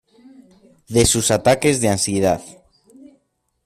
de sus ataques de ansiedad.